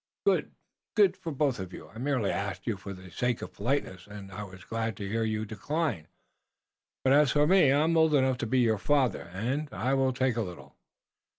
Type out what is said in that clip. "Good. Good for you both. I merely asked you for the sake of politeness, und I wass glad to hear you decline. But as for me, I am old enough to be your father, und I will take a little."